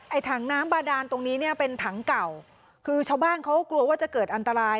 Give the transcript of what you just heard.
ถังน้ำบาดานตรงนี้เนี่ยเป็นถังเก่าคือชาวบ้านเขากลัวว่าจะเกิดอันตราย